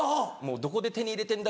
どこで手に入れてんだ？